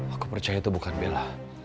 aku percaya itu bukan bella